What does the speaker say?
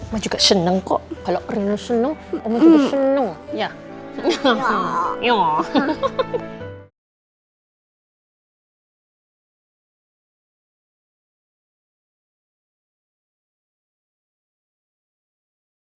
ma juga seneng kok kalo reyna seneng ma juga seneng